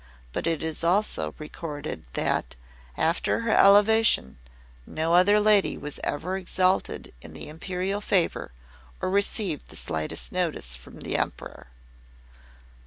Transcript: But it is also recorded that, after her elevation, no other lady was ever exalted in the Imperial favour or received the slightest notice from the Emperor.